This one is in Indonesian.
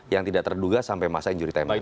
yang tidak terduga sampai masa injury time